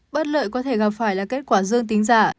bất lợi có thể gặp phải là kết quả dương tính giả